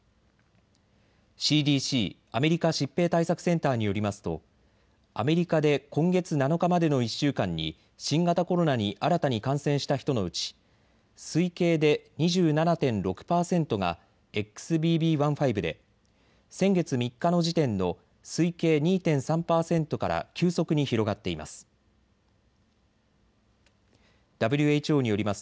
ＣＤＣ・アメリカ疾病対策センターによりますとアメリカで今月７日までの１週間に新型コロナに新たに感染した人のうち推計で２７．６％がＸＢＢ．１．５で先月３日の時点の推計２．３％から急速に広がっています。